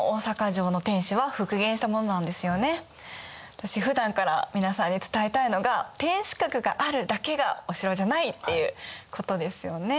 私ふだんから皆さんに伝えたいのが天守閣があるだけがお城じゃないっていうことですよね。